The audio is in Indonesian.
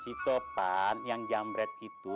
si topan yang jamret itu